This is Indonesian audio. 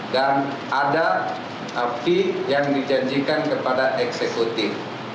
dan ada fee yang dijanjikan kepada eksekutif